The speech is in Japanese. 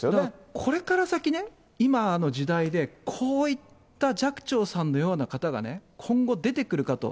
これから先ね、今の時代で、こういった寂聴さんのような方がね、今後出てくるかと。